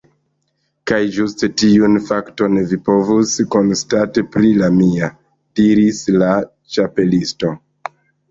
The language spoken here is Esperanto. "Kaj ĝuste tiun fakton vi povus konstati pri la mia," diris la Ĉapelisto.